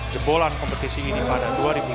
jebolan kompetisi ini pada dua ribu lima belas